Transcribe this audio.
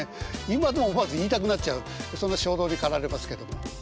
今でもまだ言いたくなっちゃうその衝動に駆られますけども。